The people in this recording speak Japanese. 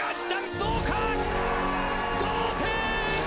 同点！